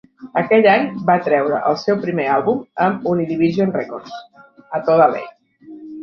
Aquell any, va treure el seu primer àlbum amb Univision Records, "A toda ley".